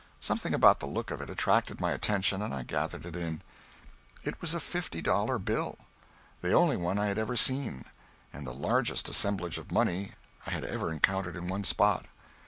Something about the look of it attracted my attention and I gathered it in. It was a fifty dollar bill, the only one I had ever seen, and the largest assemblage of money I had ever encountered in one spot.